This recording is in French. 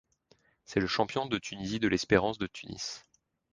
C'est le de champion de Tunisie de l'Espérance de Tunis.